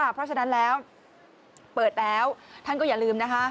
เพราะฉะนั้นแล้วเปิดแล้วท่านก็อย่าลืมนะคะ